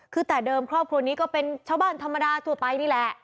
คือแต่เดิมครอบครัวนี้ก็เป็นชาวบ้านธรรมดาทั่วไปนี่แหละ